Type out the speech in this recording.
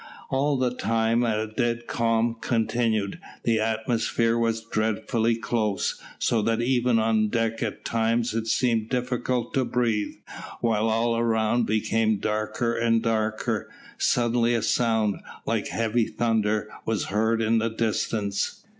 All the time a dead calm continued, the atmosphere was dreadfully close, so that even on deck at times it seemed difficult to breathe, while all around became darker and darker. Suddenly a sound, like heavy thunder, was heard in the distance.